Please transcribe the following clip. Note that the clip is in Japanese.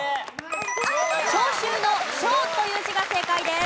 召集の「召」という字が正解です。